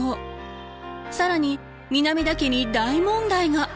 更に南田家に大問題が！